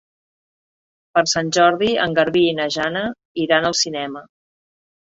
Per Sant Jordi en Garbí i na Jana iran al cinema.